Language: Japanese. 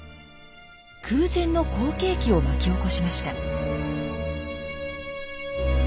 空前の好景気を巻き起こしました。